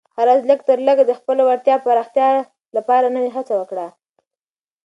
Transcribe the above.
هره ورځ لږ تر لږه د خپلې وړتیا پراختیا لپاره نوې هڅه وکړه.